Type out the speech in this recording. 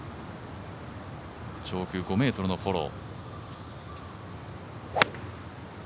上空５ｍのフォロー。